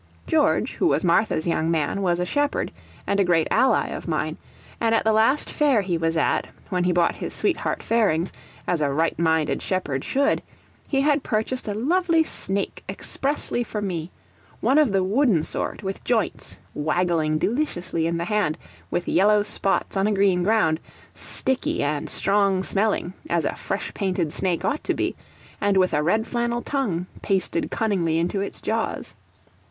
George, who was Martha's young man, was a shepherd, and a great ally of mine; and the last fair he was at, when he bought his sweetheart fairings, as a right minded shepherd should, he had purchased a lovely snake expressly for me; one of the wooden sort, with joints, waggling deliciously in the hand; with yellow spots on a green ground, sticky and strong smelling, as a fresh painted snake ought to be; and with a red flannel tongue, pasted cunningly into its jaws.